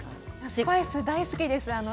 スパイス、大好きです。